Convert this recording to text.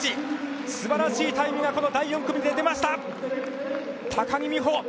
すばらしいタイムがこの第４組で出ました、高木美帆。